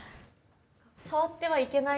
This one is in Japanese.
触ってはいけないような。